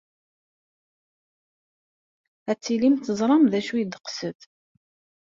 Ad tilim teẓram d acu ay d-teqsed.